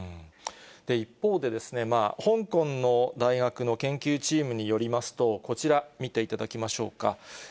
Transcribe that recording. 一方で、香港の大学の研究チームによりますと、こちら、見ていただきましょうか。